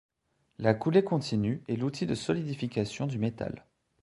La coulée continue est l'outil de solidification du métal.